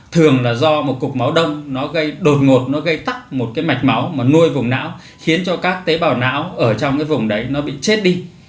thường là do một cục máu đông nó gây đột ngột nó gây tắc một cái mạch máu mà nuôi vùng não khiến cho các tế bào não ở trong cái vùng đấy nó bị chết đi